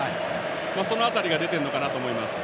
その辺りが出ているのかなと思います。